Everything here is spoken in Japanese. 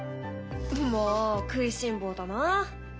もう食いしん坊だな。